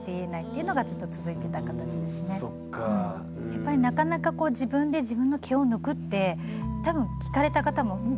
やっぱりなかなかこう自分で自分の毛を抜くってたぶん聞かれた方もん？